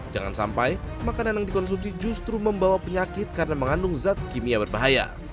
jangan sampai makanan yang dikonsumsi justru membawa penyakit karena mengandung zat kimia berbahaya